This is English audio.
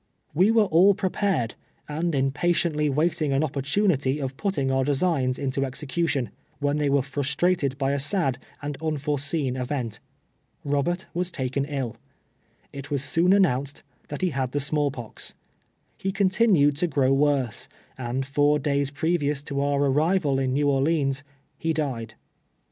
We were all prepared, and impatiently ■\vaitin12; an opportnnity of pntting" our desii>;ns into execution, when tliey were frustrated by a sad and unforeseen event. Ilobert was taken ill. It was soon announced that he bad tlie snuall pox. lie continued to grow worse, and four days previous to our arrival in New Orleans he died.